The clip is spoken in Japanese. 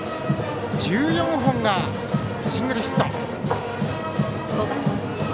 １４本がシングルヒット。